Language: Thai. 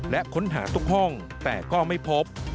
และค้นหาทุกห้องแต่ก็ไม่พบ